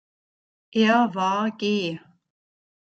Er war Geh.